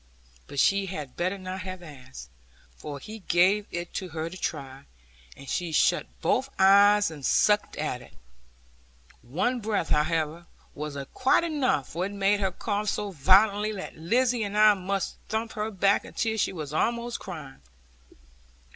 But she had better not have asked, for he gave it her to try, and she shut both eyes, and sucked at it. One breath, however, was quite enough, for it made her cough so violently that Lizzie and I must thump her back until she was almost crying.